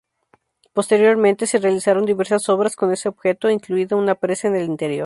Posteriormente se realizaron diversas obras con ese objeto, incluida una presa en el interior.